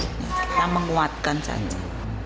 kita menguatkan saja